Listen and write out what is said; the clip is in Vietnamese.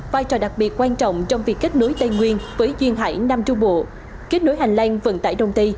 vai trò đặc biệt quan trọng trong việc kết nối tây nguyên với duyên hải nam trung bộ kết nối hành lang vận tải đông tây